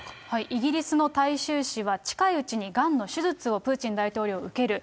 イギリスの大衆紙は近いうちにがんの手術をプーチン大統領、受ける。